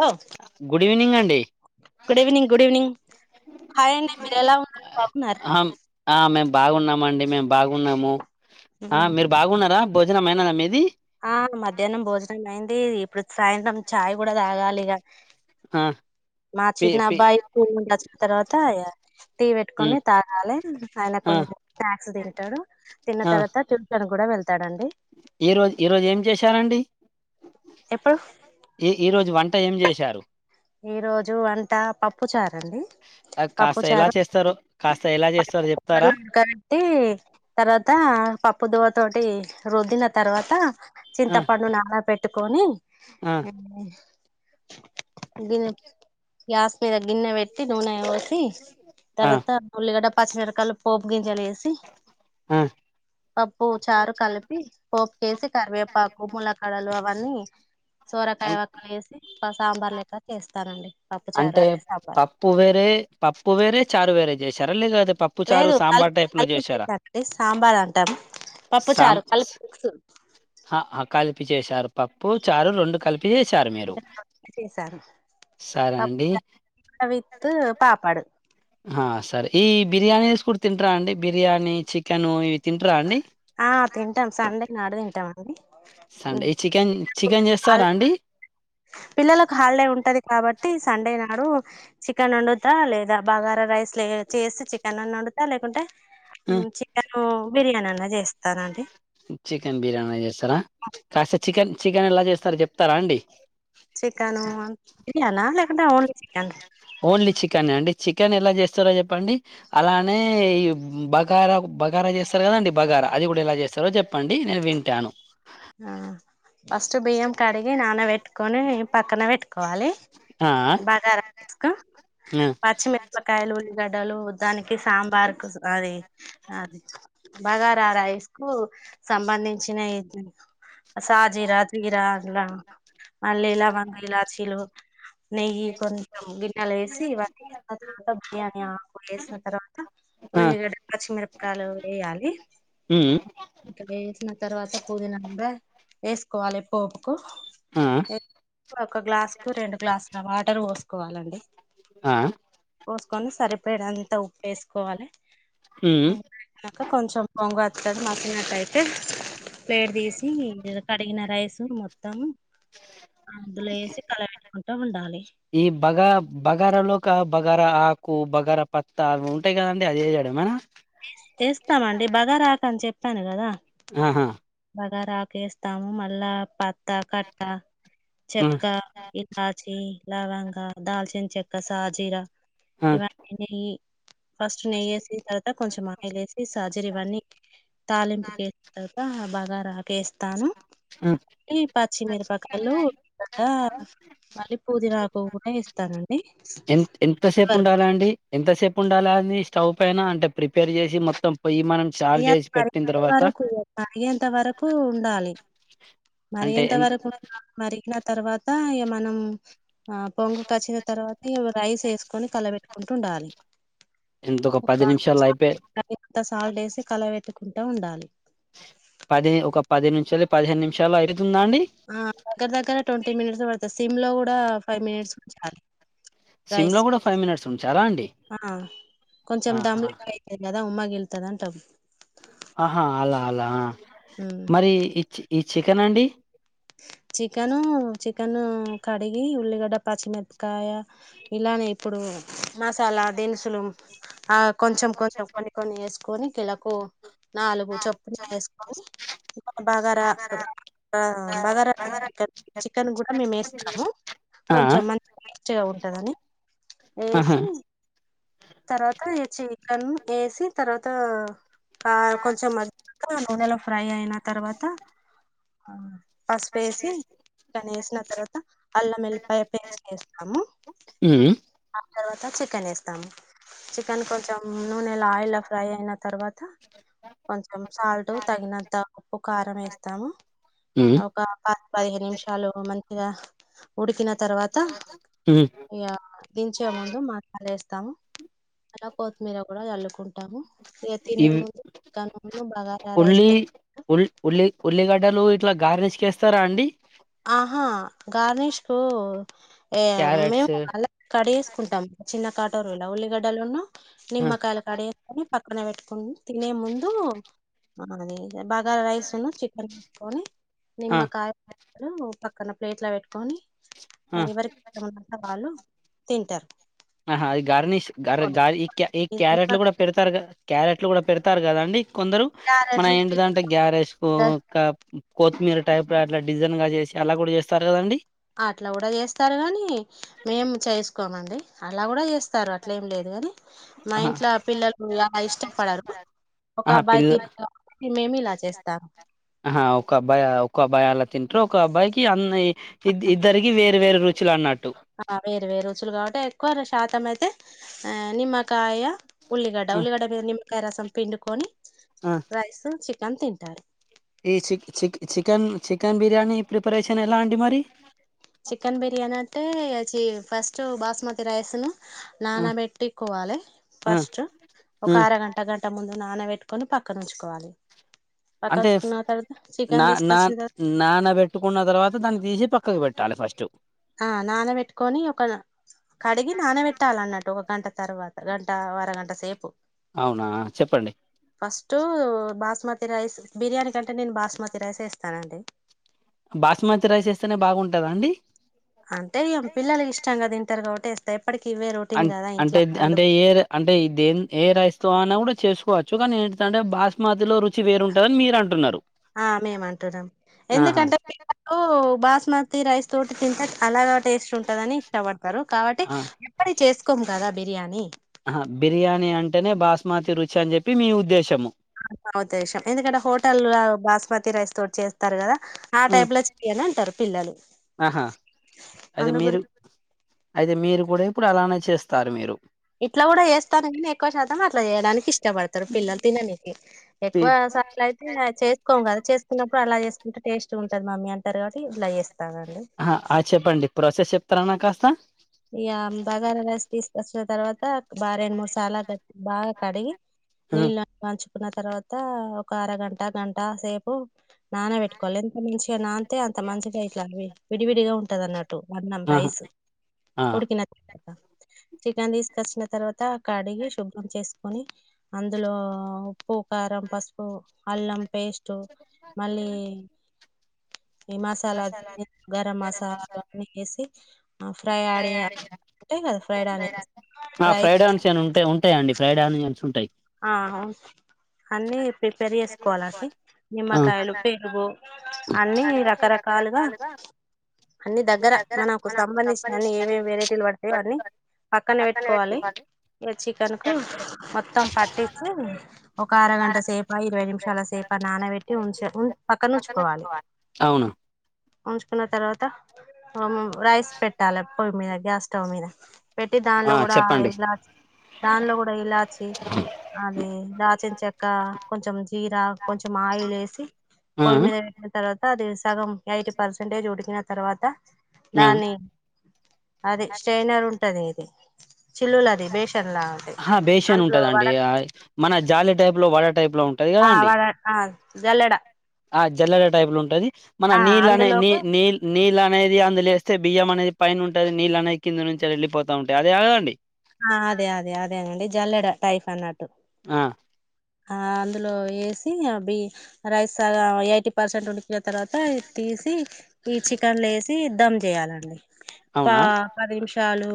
ఓ good evening అండి good evening good evening hi అండి మీరు ఎలా ఉన్నారు బాగున్నార బాగున్నాము అండి మేము బాగున్నాము ఆ మీరు బాగున్నారా భోజనం అయినదా మీది ఆ మధ్యాహ్నం భోజనం అయింది ఇప్పుడు సాయంత్రం చాయ్ కూడా తాగాలిగా ఆ మా పి చిన్నా పి అబ్బాయి స్కూల్ డ్రస్ తర్వాత ఆయా టీ పెట్టుకొని ఉమ్ తాగాలే ఆయన ఆ కొంచెం స్నాక్స్ తింటాడు తిన్న ఆ తర్వాత ట్యూషన్ కూడా వెళ్త వెళ్తడాండి ఈ రోజు ఈరోజు ఏం చేశారండి ఎప్పుడు ఈ ఈ రోజు వంట ఏం చేశారు ఈ రోజు వంట పప్పు చారండి అద్ పప్పు కాస్త ఎలా చారు చేస్తారో, కాస్త ఎలా చేస్తారో చెప్తారా. త పప్పు దువ తోటి రుద్దిన తర్వాత ఆ చింతపండు నానపెట్ ట్టుకొని ఆ [unintelligible] గిన్నె గ్యాస్ పైన్ గిన్నె పెట్టి నూనె పోసి ఆ తర్వాత ఉల్లిగడ్డ, ప పచ్చిమిరకాలు, పోపు గింజాలు ఏసి ఆహ్ అప్ ప్పు చారు కలిపి. పోపుకేసి కరివేపాకు, ములకడలు అవన్నీ సోరకాయ అన్ వక్కల్లేసి సాంబార్ లేక్ స్తానండి అంటే పప్పు వేరే, పప్పు వేరే, చారు వేరే చేసారా. లేద లేదు కలిపు కలిపిడి [inaudible] సాంబార్ అంటాం. పప్పు సాం చారు కలిపు మిక్సు ప్పి చేశారు పప్పు, చారు రెండు కలిపి చేశారు మీరు. చేశాను సరే పప్పు అండి చారు విత్తు పాపాడు ఆ సరే ఈ బిర్యానీస్ కూడా తింటరా అండి. బిర్యానీ, చికెను ఇవి తింటారా అండి ఆ తింటాం సండే ఈ నాడ తింటామా అండి సండే ఈ చికెన్ చికెన్ చేస్తారా అండి. పిల్లలకు హాలిడే ఉంటది కాబట్టి. సండే నాడు చికెన్ వండుతా లేదా, బగారా రైస్ లే చేసి చికెనన్న వండుతా లేకుంటే. హ్మ్ చికెను బిర్యానన్న అ జెస్తానండి చికెన్ బిర్యానీ చేస్తారా కాస్త చికెన్ చికెన్ ఎలా చేస్తారు చెప్తారా అండి. చికెను అన్ బిర్యానా లేకుంటే ఓన్లీ చికన్ ఓన్లీ చికెన్ అండి చికెన్ ఎలా చేస్తారో చెప్పండి. అలానే ఈ బగారా బగారా చేస్తారు కదండి. బగారా అది కూడా ఎలా చేస్తారో చెప్పండి నేను వింటాను. ఆహ్ ఫస్ట్ బియ్యం కడిగి, నానబెట్టుకొని పక్కన పెట్టుకోవాలి. ఆ బగారా తీస్కో ఆ పచ్చిమిరపకాయలు, ఉల్ గడ్డలు దానికి సాంబార్ కు అది అది బగారా రైస్కు సంబంధించినాయ్. సా జీరా, జీరా అల మళ్ళీ ఇల్ల బన ఇలాచిలు నెయ్యి కొంచెం గిన్నెలో ఎసి ఇవన్నీ కింద దానిలో బిర్యానీ ఆకు ఎసిన తర్వాత, ఆ ఉల్లిగడ్డ పచ్చిమిరపకాలు ఎయ్యాలి ఉమ్ వేసిన తర్వాత పుదీన. ద ఎస్కోవాలి పోప్ కు ఆ ఒక గ్లాస్ కు రెండు గ్లాస్ అ వాటరు ఓస్కోవాలండి. ఆహ్ పోస్కొని సరిపడి అంతా ఉప్పు ఎస్కోవాలి. హ్మ్ ఇంకా కొంచెం పొంగు వత్తాది మగ్గినట్టయితే ప్లేట్ దీసి కడిగిన రైసు మొత్తం. అందులో ఎసి కలబెట్టుకొ ఈ బగా బగార లోకబ్. బగార ఆకు బగార పత్తాగు ఉంటాయ్ కదండి అది ఎసడమెనా ఎస్తామండి బగార ఆకు చెప్పాను కదా. ఆహా బగార ఆకు ఎస్తాము మళ్ళా పత్తా కట్టా హ్మ్ చెక్క ఇలాచి. లవంగా దాల్చిన చెక్క షాజీరా హ్మ్ ఇవ్వని జెయ్యి ఫస్ట్ నెయ్యి ఎసి తర్వాత కొంచెం ఆయిలు ఎసి షాజీరా ఇవన్నీ తాలింపుకేసిన తర్వాత. బగార తీస్తాను హ్మ్ టి పచ్చిమిరపకాలు కూడా మళ్ళీ పుదీనాకు కూడా ఎస్తానండి వర్కు. ఉండాల అది స్టవ్ పైన అంటే ప్రిపేర్ చేసి మొత్తం. పొయ్యి మనం చార్జ్ ఇగ చేసి అది పెట్టిన మరిగెంత తర్వాత వరకు కాగేంత వరకు ఉండాలి. అంటే మరిగెంత ఎం వరకు మరిగిన తర్వాత ఏమ న్నము ఆహ్ పొంగుకొచ్చిన తర్వాత ఇవి రైస్ ఎస్కొని కలబెట్టు కొంటుండాలి ఎంత ఒక పది నిమిషాలు అయిపోయి ఇంత సాల్టేసి కలబెట్టుక్. ఉంటే ఉండాలి పది ఒక పది నిమిషాలు పదిహేను నిమిషాలు అయి ఆహ్ దగ్గర దగ్గర ట్వంటీ మినిట్స్ ద పడతస్ సిమ్ లో గూడా ఫైవ్ మినిట్స్ ఉంచాలి. సిమ్ లో రైస్ కూడా ఫైవ్ మినిట్స్ ఉంచారా అండి ఆహ్ కొంచెం దమ్ ఆహా ఎక్కువైతాది గదా వుమా గిలి తదాంటావ్ ఆహా అలా అలా హ్మ్ మరి ఇచ్చి ఇ చికెన్ అండి చికెను చికెను కడిగి ఉల్లిగడ్డ పచ్చిమిరపకాయ ఇలానే ఇప్పుడు మసాలా దినుసులు ఆ కొంచెం కొంచెం కొన్ని ఏసుకొని కిలకు నాలుగు చొప్పులు వేసుకొని [unintelligible] బాగా [unintelligible] బగారా [unintelligible] చికెన్ కూడా మేము ఏస్తాము ఆ ఆ! కొంచెం [unintelligible] ఉంటదని ఆహా ఏసి తర్వాత ఏ చి కన్ ఏసి తర్వాత ఆ కొంచెం [unintelligible] నూనెలో ఫ్రై అయిన తర్వాత అ పసుపేసి దానేసిన తర్వాత అల్లం ఎల్లిపాయ పేస్ట్ ఏస్తాము హ్మ్ తర్వాత చికెన్ ఏస్తాము చికెన్ కొంచం నూనెలా ఆయిలా ఫ్రై అయిన తర్వాత కొంచెం సాల్ట్ తగినంత ఉప్పు కారం ఏస్తాము హ్మ్ ఒక ఆ ప పదిహేను నిమిషాలు మంచిగా ఉడికిన తర్వాత హ్మ్ ఇగ దించే ముందు [unintelligible] తాము అలా కొత్తిమీర కూడా చల్లుకున్ కుంటాము ఇగ తినే ఇవి ముందు [unintelligible] లో బగార రైస్ తింటా డలు ఇట్లా గార్నేజ్ కేస్తారా అండి ఓ ఏ మేము క్యారెట్స్ మల్ల కట్చేసుకుంటాం చిన్న కట్ టరు ఉల్లిగడ్డలును ఆ నిమ్మకాయలకాడ ఎత్తేనే ప పక్కన పెట్టుకుని తినే ముందు అది బగార రైస్ ఉన్నూ చికెన్ కోనీ ఆ నిమ్మకాయ ఉమ్ పక్కన పలేట్లా పెట్ ఆ నినేవరికి ఇష్టమున్ననో వాళ్ళు తన్టర్ ఆహా అది గార్నిష్ గ గ ఈ ఇది క్యారెట్లు కూడా నిమ్మకాయ పెడతారు కదా క్యారెట్ ఇట్ల కూడా పెడతారు కదా అండి కొందరు మన క్యారెట్లు ఏంటిదంటే పిక్కలు గ్యారేజ్కు కొత్తిమీర టైప్ అట్లా డిజైన్ గా చేసి అలా కూడా చేస్తారు కదండి అట్లా కూడా చేస్తారు గాని మేము చేసుకోమండి అలా కూడా చేస్తారు అట్లేం లేదులే కాని మా ఆహా ఇంట్లో పిల్లలు ఎలా ఇష్టపడరు ఒక ఆహా అబ్బాయి పిల్ల తిరిగి మేమి ఇలా చేస్తాము ఇంట్లో ఒక అబ్బాయికి అన్న ఇద్ ఇద్దరికి వేర వేరు రు చులన్నట్ ఆ వేరు వేరు రుచులు కాబట్టి ఎక్కువ రు ష్ తాతమైతే ఆ నిమ్మకాయ ఉల్లిగడ్డ ఆ ఉల్లిగడ మీద నిమ్మకాయ సరం పిండుకొని ఆ రైసు చి [unintelligible] తింటారు ఈ chick chick chicken chicken biryani preparation ఎలా అండి మరి చికెన్ బిర్యానీ అంటే చి ఫస్ట్ బాస్మతి రైసును ఆ నానబెట్టికోవాలె ఆ ఫస్ట్ ఆ ఒక అరగంట గంట ముందు నానబెట్టుకొని పక్కనుంచుకోవాలి అంటే నా నా తీసుకొచ్చిన తర్వాత నానబెట్టుకున్న తర్వాత దాన్ని తీసి పక్ క్కకు పెట్టాలి ఫస్ట్ ఆ నానబెట్టుకొని ఒక కడిగి నానబెట్టాలన్నట్టు ఒక గంట తర్వా త గంట వరగంట సేపు అవునా చెప్పండి ఫస్ట్ బాస్మతి రైస్ బిర్యానీ కంటే నేను బాస్మతి రైసేస్తానండి బాస్మతి రైస్ ఏస్తేనే బాగుంటదా అండి అంటే ఇగ పిల్లలు ఇష్టంగ తింటారు కాబట్టి ఎస్ అం అంటే అంటే ఏ రైస్అంటే దేన్ ఏ రైస్ తోఅన్నా కూడా చేసుకోవచ్చు కానీ ఏంటిదంటే బాస్మతిలో రు ఆ మేము అంటున్నాం ఆహా ఎందుకంటే పిల్లలు బాస్ స్మతిరైస్ తోటి తింటెఅలా టేస్ట్ ఉంటందని ఇష్టపడతారు కాబట్టి ఎప్పుటికి చేస్ కుం కదా బిర్యానీ ఆ బిర్యానీ అంటేనే బాస్మతి రుచి అని చెప్పి మీ ఉద్దేశము మా ఉద్దేశం ఎందుకంటే హోటల్ల బాస్ స్మతి రైస్ తోటి చేస్తారు కదా ఆ ఉమ్ టైప్ లొ చెయ్యని అంటారు. పిల్లలు ఆహా అయితే అందు గురి మీరు అయితే మీరు కూడా ఇప్పుడు అలానే చేస్తారు మీరు ఇట్లకూడా చేస్తాను నీ ఎక్కువ శా అట్లచేయడానికి ఇష్ ఇష్టపడతాడు పిల్లలు తిననికి పి ఎక్కువ సార్లు అయితే చేసుకోం కదా చేసుకున్నప్పుడు అలా చేసుకుంటే టేస్ట్ చిగుంటది మమ్మీ అంటారు కాబట్టి ఇంట్ల చేస్ ఆ అ చెప్పండి ప్రోసెస్ చెప్తారా నా కాస్ బ ఇగ బగార రైస్ తీసుకొచ్చిన తర్వాత బా రెండు మూడు సార్ల క బాగ్ కడిగి ఆ, నీల్ల న్ చ్ న్న తర్వాత ఒక అరగంట గంట సేపు నాన పెట్టుకోవాలి ఎందుకంటే మంచిగా నా తె అంత మంచిగాయిట్లాన్ వే విడివిడిగా ఉంటదన్నట్ ట్టు మద్ న ఆహా రైస్ ఆ ఉడికిన చికెన్ తీసుకొచ్చిన తర్వాత కడిగి శుభ్రం చేసుకొని అందులో ఉప్పు కారం పసుపు అల్లం పేస్ట్ మళ్ళీ ఈ మసాలా గరం మసాలాలు అన్నీ వేసి ఆ ఆనియన్స్ ఫ్రై ఫ్రైడ్ ఆన్స్ అని ఉంటాయి ఉంటాయండి ఫ్రైడ్ ఆనియన్స్ ఉంటాయి ఆ హౌస్ అన్ని ప్రిపేర్ చేసుకోవాలండి ఆ నిమ్మకాయలు పెరుగు అన్ని రకరకాలుగా అన్ని దగ్గర మనకు సంబందించి అన్నీ ఏవేమి వెరైటీలు పడతాయో అన్నీ పక్కనే పెట్టుకోవాలి ఇగ చికెన్ కు మొత్తం పట్టించి ఒక అరగంట సేప ఇరవై నిమిషాల సేప నానబెట్టి ఉంచ ఉ పక్కన ఉంచుకోవాలి అవును ఉంచుకున్న తర్వాత రైస్ పెట్టాలే పొయి మీద గ్యాస్ స్టవ్ మీద పెట్టి దానిలో ఆ కూడా చెప్పండి ఇలాచి దానిలో కూడా ఇలాచి అది దాచిన చెక్క కొంచెం జీర కొంచెం ఆయిల్ ఏసి ఆ పొయ్యి మీద పెట్టిన తర్వా అది సగం ఎయిటీ పర్సెంటేజ్ ఉడికిన తర్వాత ఆ దాని అది స్ట్రైనర్ ఉంటది ఇది చిల్లులు అది బేషన్ లాంటిది ఆ బేషన్ అందులో ఉంటదండి వడ మన జాలి టైప్ లో వాడ ఆ వాడ జల్లెడ ఆ జల్లడ టైప్ ల ఉంటది మన ఆ నీల్ అనే నీ అందులోకి నీల్ నీళనే ఇది అందులేేస్తే బియ్యం అనేది పైన ఉంటది నీళ్ళ అనేయి కింది నుంచి ఎళ్ళిపోత ఉంటయి అది కాదండి ఆ అదే అదే అదే నండి జల్లెడ టైఫ్ అన్నట్టు ఆ ఆ అందులో ఎసి అ బి రైస్ సగం ఎయిటీ పర్సెంట్ ఉడికిన తర్వాత తీసి ఈ చికెన్లో ఎసి దమ్ చేయాలండి పా అవునా పది నిమిష టాలు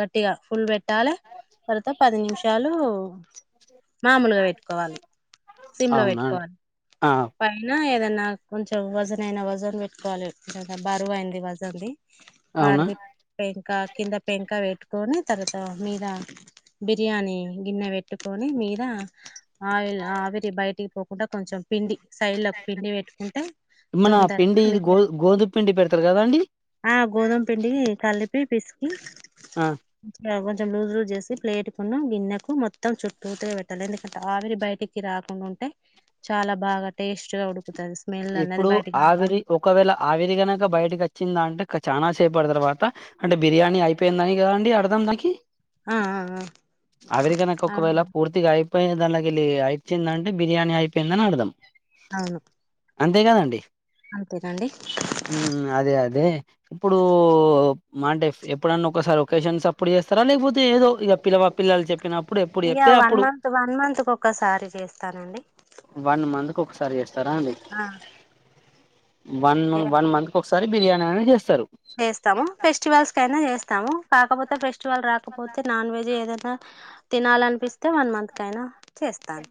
గట్టిగా ఫుల్ వెట్ పెట్టాలే తర్వాత పది నిమిషాలు మామూలుగా పెట్టుకోవాలి సిమ్ లో అవునా అండి పెట్టుకోవాలి ఆ పైన ఏదన్నా కొంచం వజన్ అయినా వజన్ వేట్టుకోవాలి ఇంతంతా బరువైయింది వజన్ది అవునా పడుది పెంకా కింద పెంకా వేట్ కొని తర్వాత మీద బిర్యానీ గిన్నె వేట్టుకొని మీద ఆవిరి ఆవిరి బయటి కొకుండా కొంచం పిండి సైడ్ లకు పిండి పెట్టుకుంట మన తొందర పిండి మీ ఇది గో గ్యాప్ గోధుమ పిండి పెడతారు కదండి ఆ గోధుమ పిండి కలి పి పిసికి ఆ కొంచెం ఇగ కొంచం లూజ్ లూజ్ చేసి ప్లేట్ గిన్నెకు మొత్తం చుట్టూతో పెట్టాలి ఎందుకంటే ఆవిరి బయటికి రాకుండా ఉంటే చాలా బాగా టేస్ట్ గా ఉడు ఇప్పుడు ఆవిరి ఒకవేళ ఆవిరి కనక బయటకి వచ్చిందా అంటే క చానా చేపటి తర్వాత అంటే బిర్యానీ అయిపోయిందని కదండి అర్థం దానికి ఆ ఆ ఆ అవిరికనకు ఒక అవును ఒకవేళ పూర్తిగా యి పోయి దాంట్ల కిల్లి ఇగ ఇచ్చిదంటే బిర్యానీ అయిపోయిందని అర్థం అవును. అంతేకాదండి అంతేనండి హ్మ్మ్ అదే అదే ఇప్పుడు మా అంటే ఎప్పుడన్నా ఒకసారి ఓకేషన్స్ అప్పుడు చేస్తారా లేకపోతే ఏదో ఇక పిల్లవా పిల్లలు చెప్పిన ఇగా వన్ మంత్ వన్ మంత్ కు ఒక్కసారి చేస్తానండి వన్ మంత్ ఒకసారి చేస్తారా అండి ఆ వన్ చే వన్ మంత్ కొ సరీ బిర్యానన్ ఏ స్ చేస్తాము ఫెస్టివల్స్ కయినా చేస్తాము కాకపో తె ఫ్రెష్ ఫెస్టివల్ రాకపోతే నాన్ వెజ్ ఏదైనా తినాలనిపిస్తే వన్ మంత్ కయినా చేస్తాన్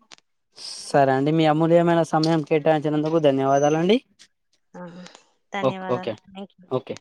సరే అండి మీ అమూల్యమైన సమయం కేటాయించినందుకు ధన్యవాదాల్ అండి ధన్యవాదాలు థ్యాంక్ యూ ఓకే